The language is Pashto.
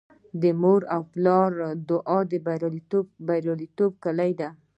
د مور او پلار دعا د بریالیتوب کیلي ده.